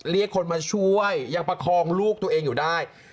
เรียกคนมาช่วยยังประคองลูกตัวเองอยู่ได้